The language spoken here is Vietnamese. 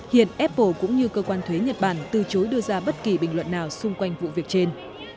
hiện apple cũng như cơ quan thuế nhật bản từ chối đưa ra bất kỳ bình luận nào xung quanh vụ việc trên